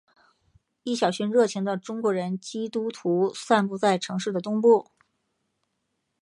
一小群热情的中国人基督徒散布在城市的东部。